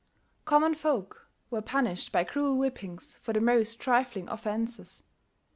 Common folk were punished by cruel whippings for the most trifling offences.